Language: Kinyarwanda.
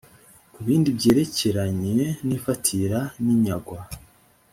ku bindi byerekeranye n ifatira n inyagwa